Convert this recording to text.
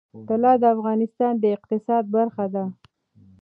طلا د افغانستان د اقتصاد برخه ده.